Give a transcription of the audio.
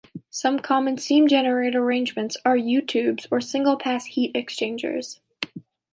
Some common steam generator arrangements are u-tubes or single pass heat exchangers.